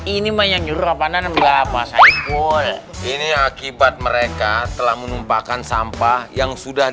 ini makanya jura pandan berapa ini akibat mereka telah menumpakan sampah yang sudah